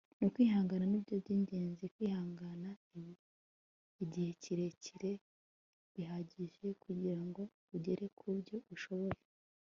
ni kwihangana nibyo byingenzi. kwihangana igihe kirekire bihagije kugirango ugere kubyo ushoboye